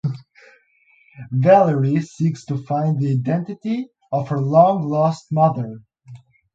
Valerie seeks to find the identity of her long lost mother.